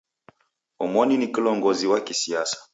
Omoni ni kilongozi wa kisiasa.